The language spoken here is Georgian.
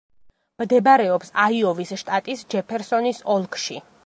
მდებარეობს აიოვის შტატის ჯეფერსონის ოლქში.